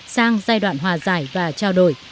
sang giai đoạn hòa giải và trao đổi